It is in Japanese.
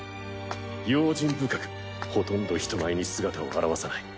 用心深くほとんど人前に姿を現さない。